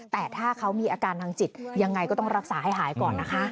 แต่ถ้าเขามีอาการทางจิตยังไงก็ต้องรักษาให้หายก่อนนะคะ